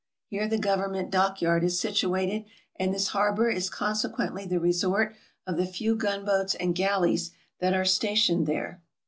Here the government dock yard is situated, and this harbor is conse quently the resort of the few gun boats and galleys that are stationed here.